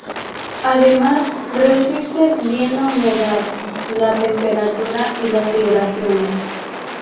Además resiste bien la humedad, la temperatura y las vibraciones.